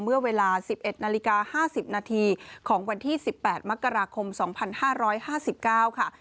เมื่อเวลา๑๑นาฬิกา๕๐นาทีของวันที่๑๘มกราคม๒๕๕๙ค่ะ